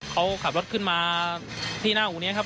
เขาขับรถขึ้นมาที่หน้าอู่นี้ครับ